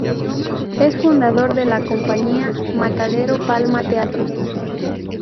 Es fundador de la Compañía Matadero Palma Teatro.